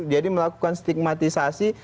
jadi melakukan stigmatisasi